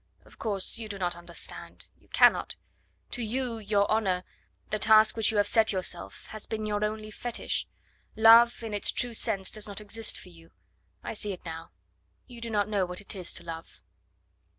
"Of course, you do not understand... you cannot. To you, your honour, the task which you have set yourself, has been your only fetish.... Love in its true sense does not exist for you.... I see it now... you do not know what it is to love."